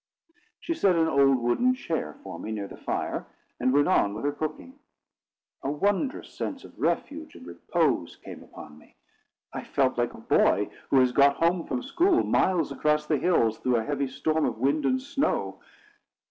She set an old wooden chair for me, near the fire, and went on with her cooking. A wondrous sense of refuge and repose came upon me. I felt like a boy who has got home from school, miles across the hills, through a heavy storm of wind and snow.